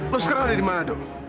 lo sekarang ada dimana dong